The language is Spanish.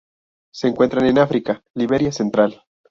Se encuentran en África: Liberia central.